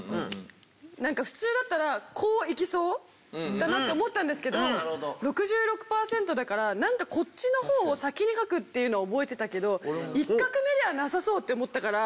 なんか普通だったらこういきそうだなって思ったんですけど６６パーセントだからなんかこっちの方を先に書くっていうのを覚えてたけど１画目ではなさそうって思ったから。